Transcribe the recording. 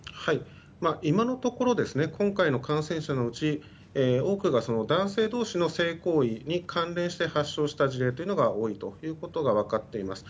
今のところ今回の感染者のうち多くが男性同士の性行為に関連して発症した事例が多いということが分かっています。